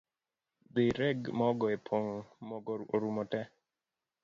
Dhi reg Mogo epong, Mogo orumo tee